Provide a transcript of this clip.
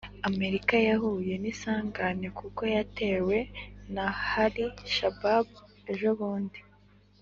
Amerika yahuye nisangane kuko yatewe na hali shababu ejo bundi